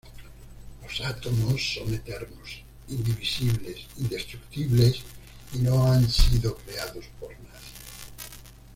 Los átomos son eternos, indivisibles, indestructibles y no han sido creados por nadie.